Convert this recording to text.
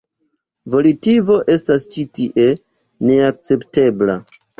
Volitivo estas ĉi tie neakceptebla.